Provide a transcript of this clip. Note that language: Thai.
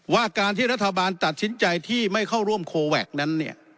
ว่าการที่รัฐบาลตัดสินใจที่ไม่เข้าร่วมโคแวคนั้นเนี่ย